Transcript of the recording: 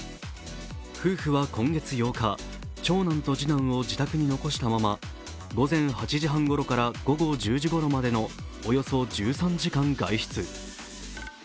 夫婦は今月８日、長男と次男を自宅に残したまま、午前８時半ごろから午後１０時ごろまでのおよそ１３時間外出。